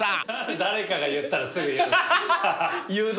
誰かが言ったらすぐ言う。